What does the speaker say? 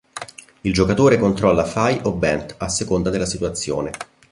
Il giocatore controlla Fay o Bent a seconda della situazione.